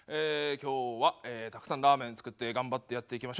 今日はたくさんラーメン作って頑張ってやっていきましょう。